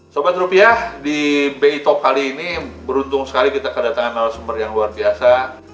sobat rupiah di bitop kali ini beruntung sekali kita kedatangan oleh sumber yang luar biasa